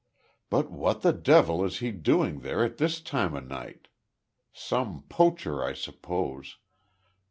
"But what the devil is he doing there at this time of night? Some poacher I suppose.